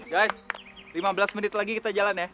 guys lima belas menit lagi kita jalan ya